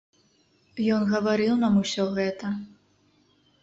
Ён гаварыў нам усё гэта.